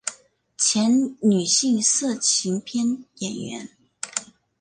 前女性色情片演员。